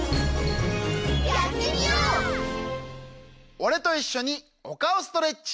おれといっしょにおかおストレッチ。